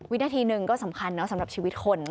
วินาทีหนึ่งก็สำคัญสำหรับชีวิตคน